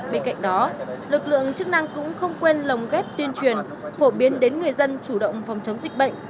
bên cạnh đó lực lượng chức năng cũng không quên lồng ghép tuyên truyền phổ biến đến người dân chủ động phòng chống dịch bệnh